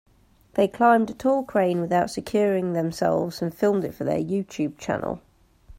They climbed a tall crane without securing themselves and filmed it for their YouTube channel.